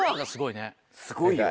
すごいよ。